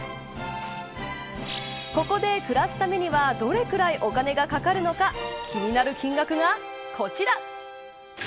ここで暮らすためにはどれぐらいお金がかかるのか気になる金額が、こちら。